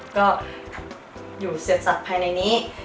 ก็อยู่เสิร์ชจากภายในนี้